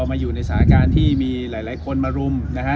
มาอยู่ในสถานการณ์ที่มีหลายคนมารุมนะฮะ